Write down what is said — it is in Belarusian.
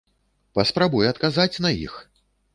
Паспрабуй адказаць на іх!